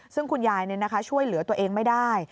ซึ่งคุณยายช่วยเหลือตัวเองไม่ได้